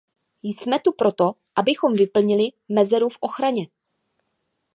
Jsme tu pro to, abychom vyplnili mezeru v ochraně.